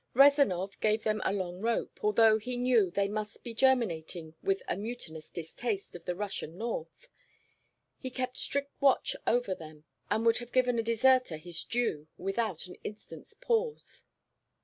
Rezanov gave them a long rope, although he knew they must be germinating with a mutinous distaste of the Russian north; he kept strict watch over them and would have given a deserter his due without an instant's pause.